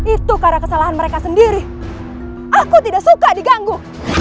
itu karena kesalahan mereka sendiri aku tidak suka diganggu